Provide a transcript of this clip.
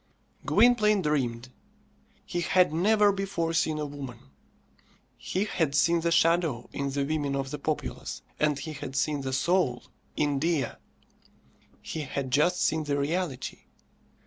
Gwynplaine dreamed. He had never before seen Woman. He had seen the shadow in the women of the populace, and he had seen the soul in Dea. He had just seen the reality.